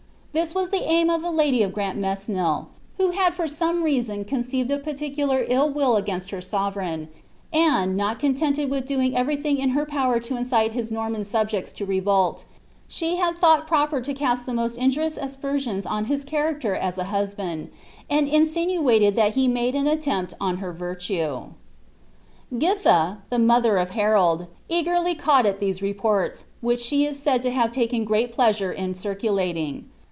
This was the aim of ihri lady of Grantmesnil, who had for some reason conceived a particular ill will against her sovereign; and, tiol contented with doing everything in her power to incite his Norman sub jects to revolt, she had thought proper to cast the most injurious aspei^ eions on his cliaracter aa a husbajid, and ioainuaied that lie luid made an attempt on her virtue.' Giiha, the mother of Harold, eagerly caught at these reports, which she a said to have taken great pleasure in circulating.